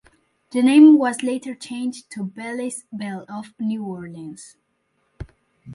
The name was later changed to Bally’s Belle of New Orleans.